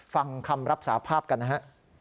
ฟังคำรับสาภาพกันนะฮะ